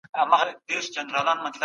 پنځه جمع څلور؛ نهه کېږي.